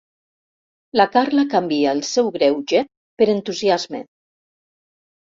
La Carla canvia el seu greuge per entusiasme.